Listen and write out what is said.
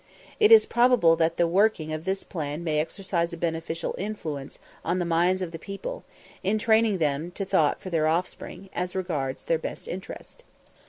It is probable that the working of this plan may exercise a beneficial influence on the minds of the people, in training them to thought for their offspring, as regards their best interests.